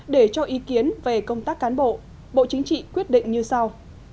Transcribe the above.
để cho ý kiến về công tác cán bộ bộ chính trị quyết định như sau